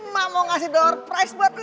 mak mau ngasih dollar price buat lu